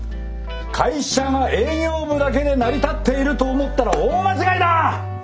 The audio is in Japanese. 会社が営業部だけで成り立っていると思ったら大間違いだ！